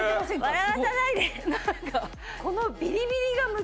笑わさないで！